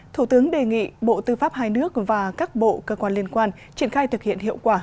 thủ tướng đề nghị bộ tư pháp hai nước và các bộ cơ quan liên quan triển khai thực hiện hiệu quả